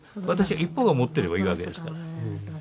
私一方が持ってればいいわけですから。